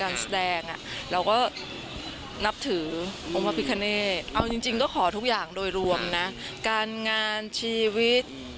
มันขอทุกอย่างโดยรวมนะการงานชีวิต